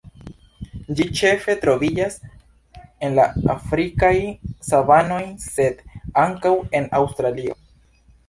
Ĝi ĉefe troviĝas en la afrikaj savanoj sed ankaŭ en Aŭstralio.